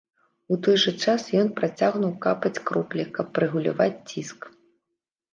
У той жа час ён працягнуў капаць кроплі, каб рэгуляваць ціск.